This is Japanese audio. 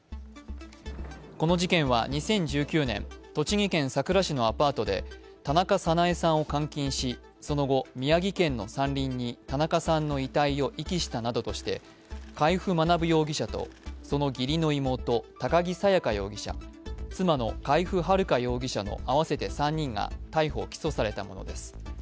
この事件は２０１９年、栃木県さくら市のアパートで田中早苗さんを監禁し、その後、宮城県の山林に田中さんの遺体を遺棄したなどとして海部学容疑者とその義理の妹、高木沙耶花容疑者妻の海部春香容疑者の合わせて３人が逮捕・起訴されたものです。